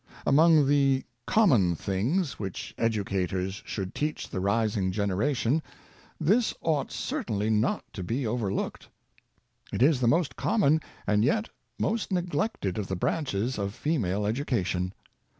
Among the " common things'' which educat ors should teach the rising generation, this ought cer tainly not to be overlooked. It is the most common and yet most neglected of the branches of female edu cation.